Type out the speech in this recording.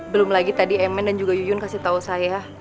belum lagi tadi emman dan juga yuyun kasih tau saya